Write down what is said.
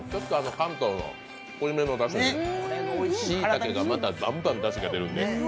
関東の濃いめのだしでしいたけから、またバンバンだし出るので。